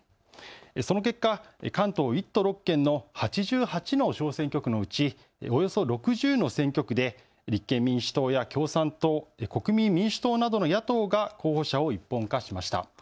その結果、関東１都６県の８８の小選挙区のうちおよそ６０の選挙区で立憲民主党や共産党、国民民主党などの野党が候補者を一本化しました。